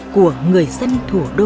của người dân thủ đô